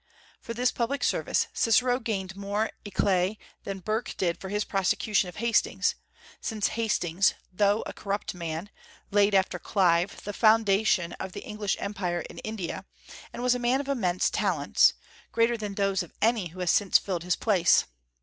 For this public service Cicero gained more éclat than Burke did for his prosecution of Hastings; since Hastings, though a corrupt man, laid, after Clive, the foundation of the English empire in India, and was a man of immense talents, greater than those of any who has since filled his place.